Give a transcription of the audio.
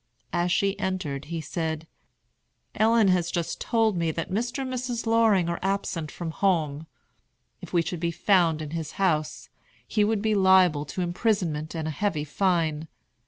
As she entered he said, "Ellen has just told me that Mr. and Mrs. Loring are absent from home. If we should be found in his house, he would be liable to imprisonment and a heavy fine.